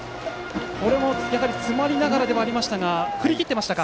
やはり詰まりながらではありましたが振り切っていましたか。